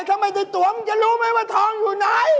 ถ้าไม่ได้ตวงจะรู้ไหมว่าทองอยู่ไหน